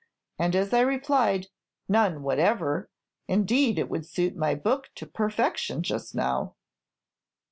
and as I replied, 'None whatever; indeed, it would suit my book to perfection just now.'